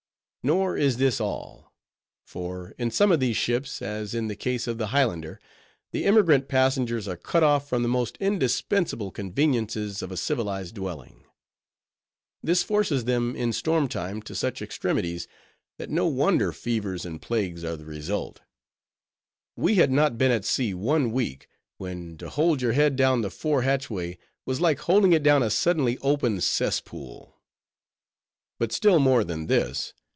Nor is this all: for in some of these ships, as in the case of the Highlander, the emigrant passengers are cut off from the most indispensable conveniences of a civilized dwelling. This forces them in storm time to such extremities, that no wonder fevers and plagues are the result. We had not been at sea one week, when to hold your head down the fore hatchway was like holding it down a suddenly opened cesspool. But still more than this.